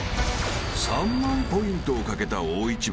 ［３万ポイントを懸けた大一番］